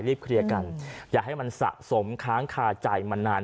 เคลียร์กันอย่าให้มันสะสมค้างคาใจมานาน